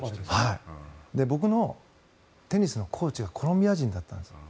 僕のテニスのコーチがコロンビア人だったんです。